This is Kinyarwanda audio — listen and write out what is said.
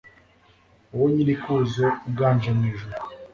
Wowe Nyir’ikuzo uganje mu ijuru